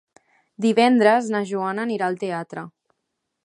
Divendres na Joana anirà al teatre.